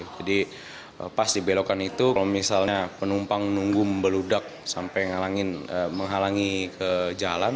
jadi pas dibelokan itu kalau misalnya penumpang menunggu membeludak sampai menghalangi ke jalan